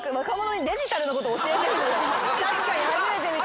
確かに初めて見た。